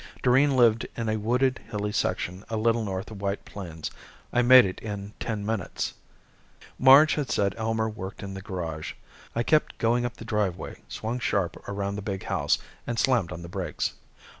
Doreen lived in a wooded, hilly section a little north of White Plains. I made it in ten minutes. Marge had said Elmer worked in the garage. I kept going up the driveway, swung sharp around the big house and slammed on the brakes.